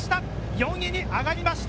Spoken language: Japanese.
４位に上がりました。